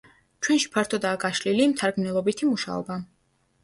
ჩვენში ფართოდაა გაშლილი მთარგმნელობითი მუშაობა.